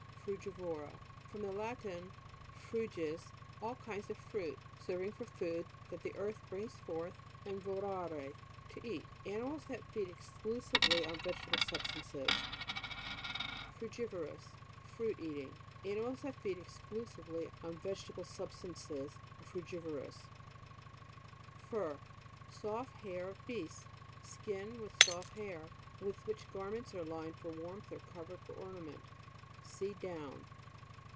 FRUGIVORA. From the Latin, fruges, all kinds of fruit, serving for food, that the earth brings forth, and vorare, to eat. Animals that feed exclusively on vegetable substances. FRUGIVOROUS Fruit eating. Animals that feed exclusively on vegetable substances are frugivorous. FUR. Soft hair of beasts. Skin with soft hair, with which garments are lined for warmth, or covered for ornament (See DOWN.)